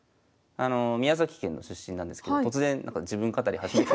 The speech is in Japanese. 宮崎県の出身なんですけど突然なんか自分語り始めたみたいな。